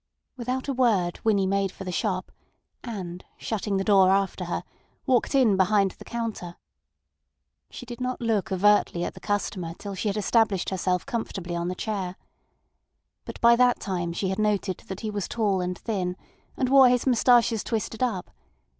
Without a word Winnie made for the shop, and shutting the door after her, walked in behind the counter. She did not look overtly at the customer till she had established herself comfortably on the chair. But by that time she had noted that he was tall and thin, and wore his moustaches twisted up.